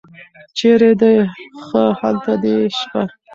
چېرې دې ښه هلته دې شپه.